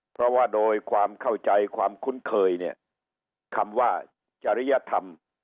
เพราะว่าโดยความเข้าใจความคุ้นเคยเนี่ยคำว่าจริยธรรม